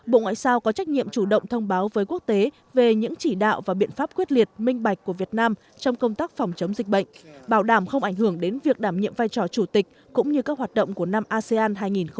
bộ ngoại giao có trách nhiệm chủ động thông báo với quốc tế về những chỉ đạo và biện pháp quyết liệt minh bạch của việt nam trong công tác phòng chống dịch bệnh bảo đảm không ảnh hưởng đến việc đảm nhiệm vai trò chủ tịch cũng như các hoạt động của năm asean hai nghìn hai mươi